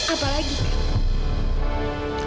apalagi kak fadil